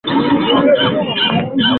Sociedad Pharma Indigena Misak Manasr